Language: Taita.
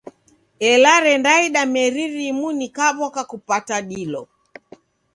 Ela rendaida meri rimu, nikaw'oka kupata dilo.